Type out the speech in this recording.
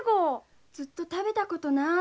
ずっと食べたことない。